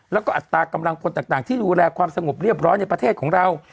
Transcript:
แล้วก็อัตรากำลังพลต่างที่ดูแลความสงบเรียบร้อยในประเทศของเรา